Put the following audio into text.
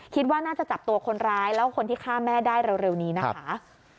คิดว่าน่าจะจับตัวคนร้ายแล้วก็คนที่ฆ่าแม่ได้เร็วนี้นะคะ